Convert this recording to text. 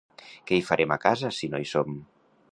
Què hi farem a casa si no hi som?